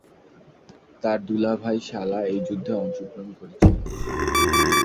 তার দুলাভাই-শালা এই যুদ্ধে যোগদান করেছিল।